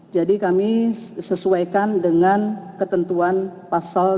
jadi kami sesuaikan dengan ketentuan mereka